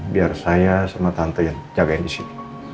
biar saya semua tante jaga di sib